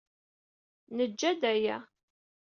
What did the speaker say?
Nejja-d aya.